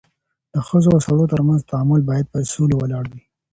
د ښځو او سړو ترمنځ تعامل بايد پر اصولو ولاړ وي.